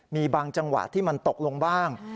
มีบางจังหวะที่มันตกลงบ้าง